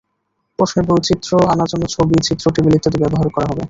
প্রশ্নের বৈচিত্র্য আনার জন্য ছবি, চিত্র, টেবিল ইত্যাদি ব্যবহার করা হবে।